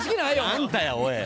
あんたやおい！